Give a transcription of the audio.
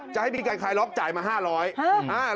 จะให้มีการคลายล็อกจ่ายมา๕๐๐บาท